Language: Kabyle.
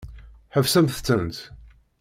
Ḥebsemt-tent!